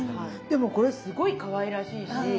でもこれすごいかわいらしいし。